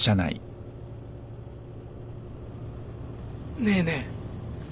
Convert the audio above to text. ねえねえ。